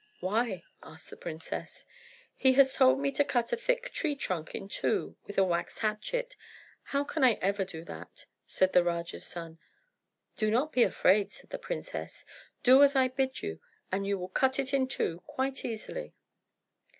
"Why?" asked the princess. "He has told me to cut a thick tree trunk in two with a wax hatchet. How can I ever do that?" said the Raja's son. "Do not be afraid," said the princess; "do as I bid you, and you will cut it in two quite easily."